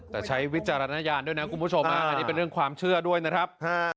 แต่ใช้วิจารณญาณด้วยนะคุณผู้ชมอันนี้เป็นเรื่องความเชื่อด้วยนะครับ